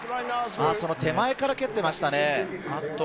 手前から蹴っていましたね。